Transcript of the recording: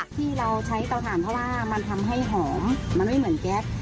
ที่เราใช้เตาถ่านเพราะว่ามันทำให้หอมมันไม่เหมือนแก๊ส